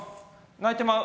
泣いてまう！